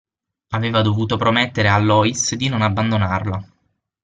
Aveva dovuto promettere a Loïs di non abbandonarla.